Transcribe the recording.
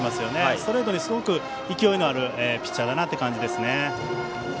ストレートに勢いのあるピッチャーだなという感じです。